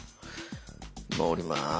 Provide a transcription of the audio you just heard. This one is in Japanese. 降ります。